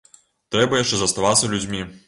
Трэба яшчэ заставацца людзьмі.